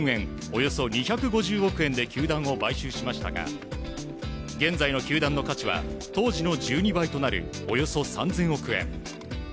およそ２５０億円で球団を買収しましたが現在の球団の価値は当時の１２倍となるおよそ３０００億円。